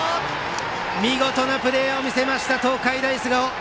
見事なプレーを見せました東海大菅生。